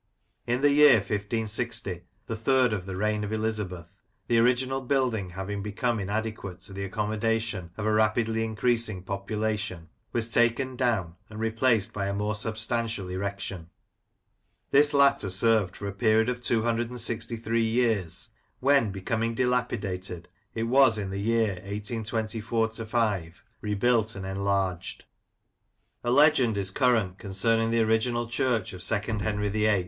In the year 1560, the third of the reign of Elizabeth, the original building having become inadequate to the accommodation of a rapidly increasing population, was taken down and replaced by a more substantial erection. This latter served for a period of 263 years, when, becoming dilapidated, it was in the year 1824 5 i^ebuilt and enlarged. A legend is current concerning the original church of second Henry VIII.